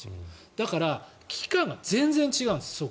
だから、危機感が全然違うんです。